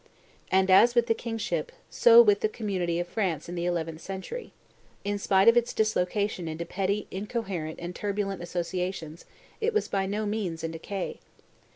And as with the kingship, so with the community of France in the eleventh century. In spite of its dislocation into petty incoherent and turbulent associations, it was by no means in decay.